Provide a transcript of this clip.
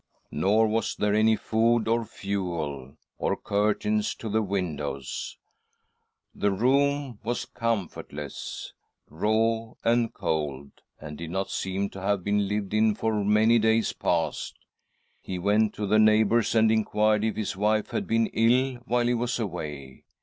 "Nor was there any food or fuel, or curtains to the windows — the room was comfortless, raw, and cold, and did not seem to have been lived in for many days past. He went to the neighbours and inquired if his wife had been ill while he was away.